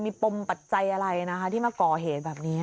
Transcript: มีปมปัจจัยอะไรนะคะที่มาก่อเหตุแบบนี้